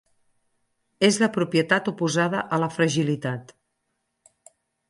És la propietat oposada a la Fragilitat.